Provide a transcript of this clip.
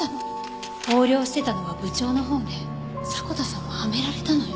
横領してたのは部長のほうで迫田さんはハメられたのよ。